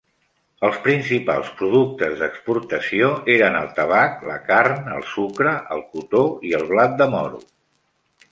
Els principals productes d'exportació eren el tabac, la carn, el sucre, el cotó i el blat de moro.